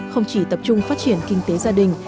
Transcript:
không chỉ tập trung phát triển kinh tế gia đình